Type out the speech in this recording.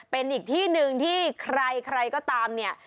เป็นอีกที่หนึ่งที่ใครใครก็ตามเนี่ย